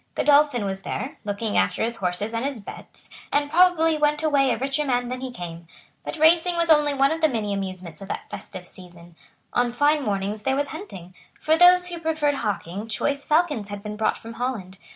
Godolphin was there, looking after his horses and his bets, and probably went away a richer man than he came. But racing was only one of the many amusements of that festive season. On fine mornings there was hunting. For those who preferred hawking choice falcons had been brought from Holland.